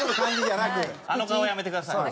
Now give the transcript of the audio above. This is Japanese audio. あの顔やめてください。